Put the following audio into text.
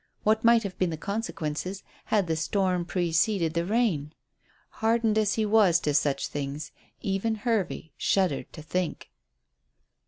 What might have been the consequences had the storm preceded the rain? Hardened as he was to such things, even Hervey shuddered to think.